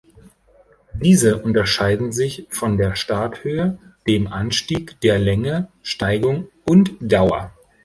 Diese unterscheiden sich von der Starthöhe, dem Anstieg, der Länge, Steigung und Dauer.